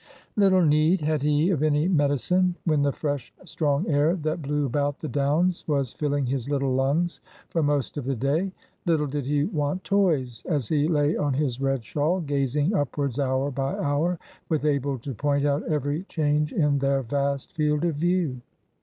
Little need had he of any medicine, when the fresh strong air that blew about the downs was filling his little lungs for most of the day. Little did he want toys, as he lay on his red shawl gazing upwards hour by hour, with Abel to point out every change in their vast field of view.